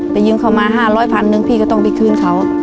ยืมเขามา๕๐๐พันหนึ่งพี่ก็ต้องไปคืนเขา